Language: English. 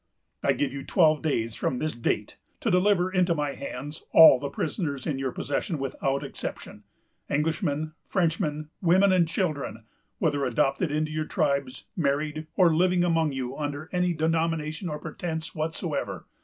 "I give you twelve days from this date to deliver into my hands all the prisoners in your possession, without exception: Englishmen, Frenchmen, women, and children; whether adopted into your tribes, married, or living among you under any denomination or pretence whatsoever.